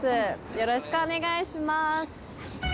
よろしくお願いします。